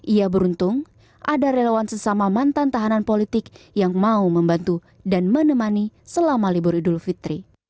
ia beruntung ada relawan sesama mantan tahanan politik yang mau membantu dan menemani selama libur idul fitri